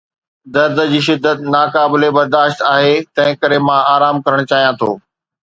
درد جي شدت ناقابل برداشت آهي، تنهنڪري مان آرام ڪرڻ چاهيان ٿو.